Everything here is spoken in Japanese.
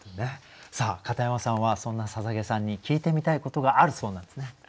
さあ片山さんはそんな捧さんに聞いてみたいことがあるそうなんですね。